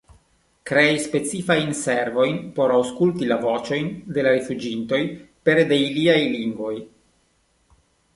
Krei specifajn servojn por aŭskulti la voĉojn de la rifuĝintoj pere de iliaj lingvoj.